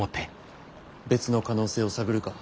別の可能性を探るか。